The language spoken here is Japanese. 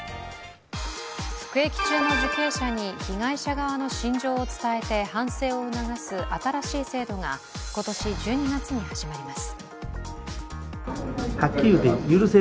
服役中の受刑者に被害者側の心情を伝えて反省を促す新しい制度が今年１２月に始まります。